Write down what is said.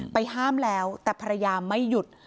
ห้ามแล้วแต่ภรรยาไม่หยุด